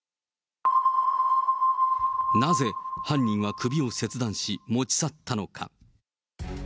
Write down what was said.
なぜ犯人は首を切断し持ち去ったのか。